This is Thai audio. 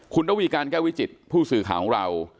คุณระวีการแก้ววิจิตผู้สื่อข่าวของเรา